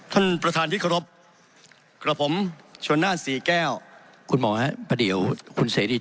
ที่ปะท่าลิ๊ดครบกับผมเชื้อน่าซี่แก้วคุณหมอฮะเยียลผู้เซรียน